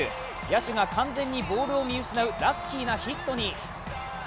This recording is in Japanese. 野手が完全にボールを見失うラッキーなヒットに。